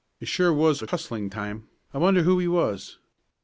"It sure was a hustling time. I wonder who he was?